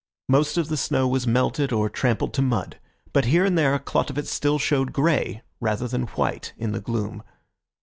Most of the snow was melted or trampled to mud, but here and there a clot of it still showed grey rather than white in the gloom.